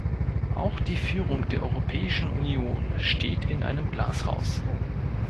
Auch die Führung der Europäischen Union steht in einem Glashaus.